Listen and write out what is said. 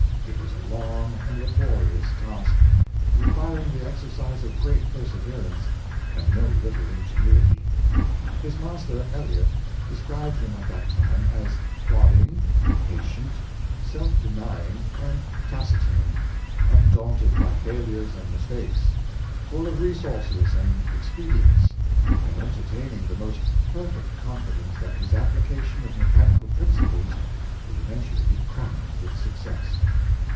It was a long and laborious task, requiring the exercise of great perseverance and no little ingenuity. His master, Elliott, described him at that time as plodding, patient, self denying, and taciturn, undaunted by failures and mistakes, full of resources and expedi ents, and entertaining the most perfect confidence that his application of mechanical principles would eventual ly be crowned with success.